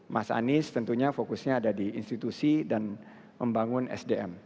mas anies tentunya fokusnya ada di institusi dan membangun sdm